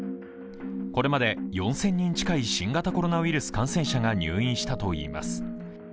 これまで４０００人近い新型コロナウイルスの感染者が入院したといいます。